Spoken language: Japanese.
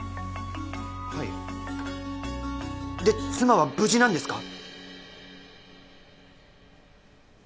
はいで妻は無事なんですか？